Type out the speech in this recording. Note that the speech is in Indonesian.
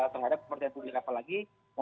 terhadap pemerintah publik apalagi